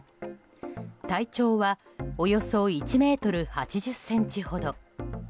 体長はおよそ１ｍ８０ｃｍほど。